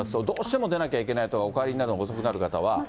どうしても出なきゃいけないとかお帰りになるのが遅くなる方は。